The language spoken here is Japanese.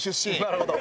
なるほど。